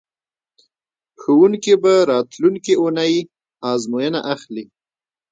ښوونکي به راتلونکې اونۍ ازموینه اخلي.